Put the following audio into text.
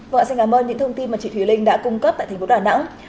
vâng ạ xin cảm ơn những thông tin mà chị thủy linh đã cung cấp tại tp đà nẵng